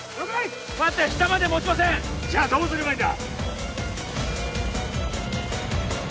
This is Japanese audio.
待って下までもちませんじゃあどうすればいいんだ？